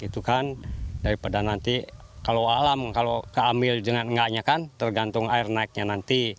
jangan berpikir pikir kita akan menanam panen kita akan menanam air kita akan menanam air kita akan menanam air